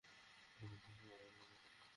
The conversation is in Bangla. ওহে মানুষের প্রভু!